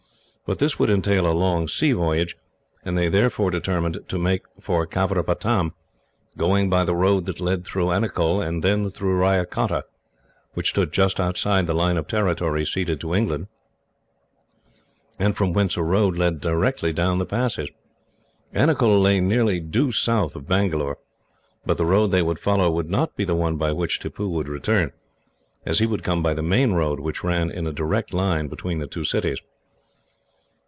But this would entail a long sea voyage, and they therefore determined to make for Caveripatam, going by the road that led through Anicull, and then through Ryacotta, which stood just outside the line of territory ceded to England, and from whence a road led direct down the passes. Anicull lay nearly due south of Bangalore, but the road they would follow would not be the one by which Tippoo would return, as he would come by the main road, which ran in a direct line between the two cities.